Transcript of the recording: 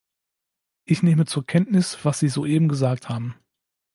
Ich nehme zur Kenntnis, was sie soeben gesagt haben.